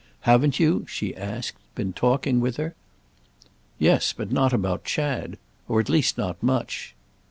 Haven't you," she asked, "been talking with her?" "Yes, but not about Chad. At least not much."